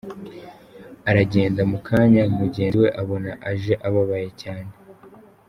Aragenda, mu kanya mugenzi we abona aje ababaye cyane.